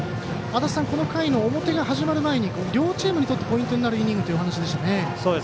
足達さんからこの回の表が始まる前に両チームにとってポイントになるイニングでした。